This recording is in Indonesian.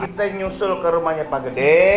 kita nyusul ke rumahnya pak gede